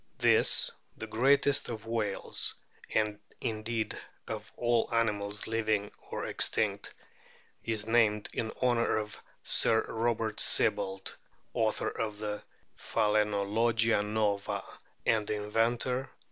This, the greatest of whales, and indeed of all animals living or extinct, f is named in honour of Sir Robert Sibbald, author of the Phalainologia nova and inventor